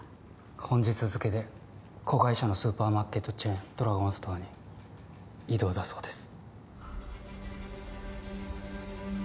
本日付で子会社のスーパーマーケットチェーンドラゴンストアに異動だそうです